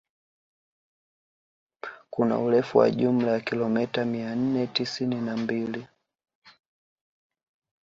Kuna urefu wa jumla ya kilomita mia nne tisini na mbili